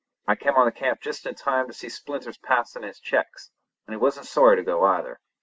I kem on the camp just in time to see Splinters pass in his checks, and he wasn't sorry to go either.